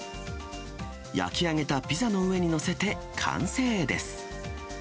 焼き上げたピザの上に載せて完成です。